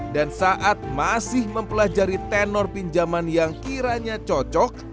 dan saat masih mempelajari tenor pinjaman yang kiranya cocok